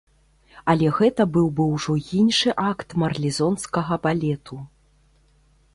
Але гэта быў бы ўжо іншы акт марлезонскага балету.